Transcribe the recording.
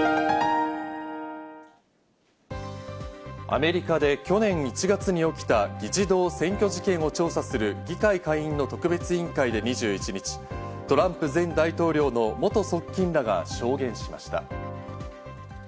アメリカで去年１月に起きた議事堂占拠事件を調査する議会下院の特別委員会で２１日、トランプ前大統領の元側近らが証言しました。